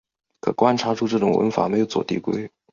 可观察出这种文法没有左递归。